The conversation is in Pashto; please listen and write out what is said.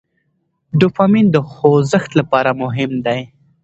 ډوپامین د خوځښت لپاره مهم دی.